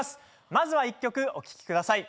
まずは１曲お聴きください。